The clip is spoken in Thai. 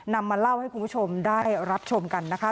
นำมาเล่าให้คุณผู้ชมได้รับชมกันนะคะ